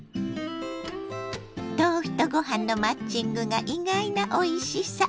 豆腐とご飯のマッチングが意外なおいしさ。